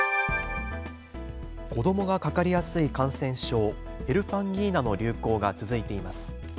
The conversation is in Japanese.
子どもがかかりやすい感染症、ヘルパンギーナの流行が続いています。